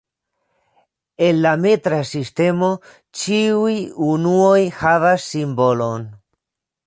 En la metra sistemo, ĉiuj unuoj havas "simbolon".